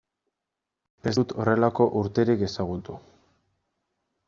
Ez dut horrelako urterik ezagutu.